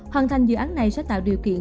hoàn thành dự án này sẽ tạo điều kiện